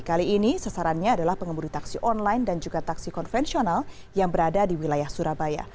kali ini sasarannya adalah pengemudi taksi online dan juga taksi konvensional yang berada di wilayah surabaya